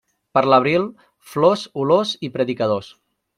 Per l'abril, flors, olors i predicadors.